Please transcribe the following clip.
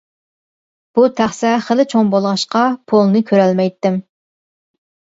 بۇ تەخسە خېلى چوڭ بولغاچقا، پولنى كۆرەلمەيتتىم.